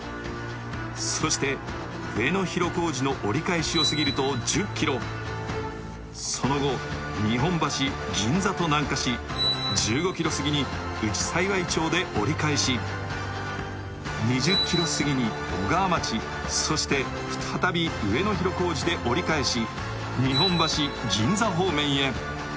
そして、上野広小路の折り返しを過ぎると１０ｋｍ、その後、日本橋・銀座と南下し、１５ｋｍを過ぎ内幸町で折り返し、２０ｋｍ過ぎに小川町、そして再び上野広小路で折り返し日本橋、銀座方面へ。